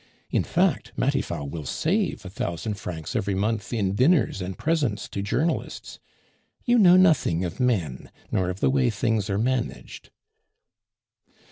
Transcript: In fact, Matifat will save a thousand francs every month in dinners and presents to journalists. You know nothing of men, nor of the way things are managed."